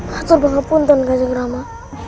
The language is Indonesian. hathor bangapun tenggajeng rama